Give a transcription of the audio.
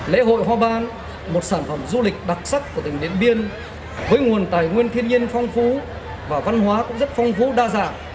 lễ hội hoa ban một sản phẩm du lịch đặc sắc của tỉnh điện biên với nguồn tài nguyên thiên nhiên phong phú và văn hóa cũng rất phong phú đa dạng